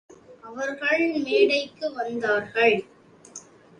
அவர்கள் மேடைக்கு வந்தார்கள்.